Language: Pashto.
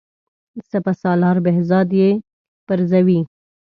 سپه سالار بهزاد یې پرزوي.